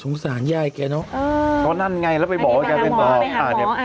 สงสางยายจะไงเหรอคือว่านั่นไงแล้วไปออก